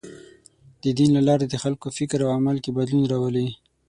د دین له لارې د خلکو فکر او عمل کې بدلون راولي.